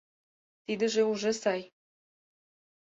— Тиде уже сай.